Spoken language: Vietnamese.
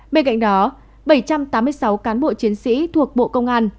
bên cạnh đó bảy trăm tám mươi sáu cán bộ chiến sĩ thuộc bộ công an